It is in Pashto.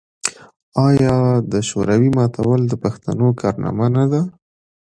آیا د شوروي ماتول د پښتنو کارنامه نه ده؟